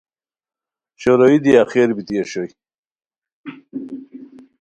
شوروئی دی آخر بیتی اشوئے